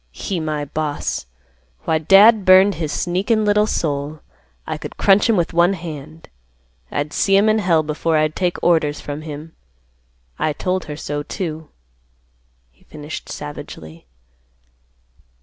He my boss! Why, dad burn his sneakin' little soul, I could crunch him with one hand. I'd see him in hell before I'd take orders from him. I told her so, too," he finished savagely.